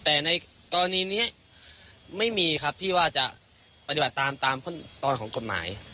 แต่ในกรณีนี้ไม่มีครับที่ว่าจะปฏิบัติตามตามตอนของกฎหมาย